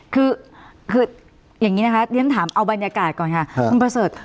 คืออย่างนี้นะคะเรียนถามเอาบรรยากาศก่อนค่ะคุณประเสริฐ